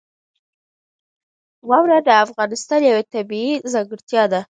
واوره د افغانستان یوه طبیعي ځانګړتیا ده.